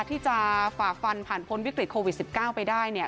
ที่จะฝ่าฟันผ่านพ้นวิกฤตโควิด๑๙ไปได้เนี่ย